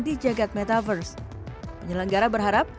di jagad metaverse penyelenggara berharap